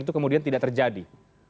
itu kemudian tidak terjadi